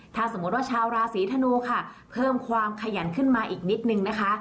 ถ้าสมมติว่าชาวราศีธนูค่ะเพิ่มความขยันขึ้นมาอีกนิดนึงนะคะ